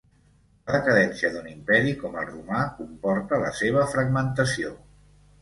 La decadència d'un imperi com el romà comporta la seva fragmentació.